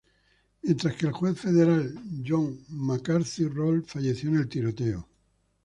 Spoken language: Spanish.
Mientras que el juez federal John McCarthy Roll falleció en el tiroteo.